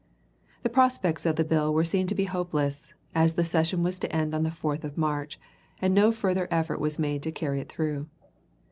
The prospects of the bill were seen to be hopeless, as the session was to end on the 4th of March, and no further effort was made to carry it through.